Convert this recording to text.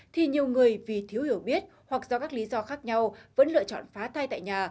thì nhiều người vì thiếu hiểu biết hoặc do các lý do khác nhau vẫn lựa chọn phá tay tại nhà